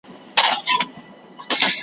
چا چي نه وي د سبا خوارۍ منلي .